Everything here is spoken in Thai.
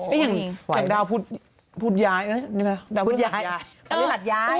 ไม่อย่างกับดาวพุทธย้ายนะดาวพุทธหัดย้าย